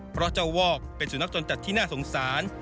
เพราะเจ้าวอกเป็นสุนัขจรจัดที่น่าสงสาร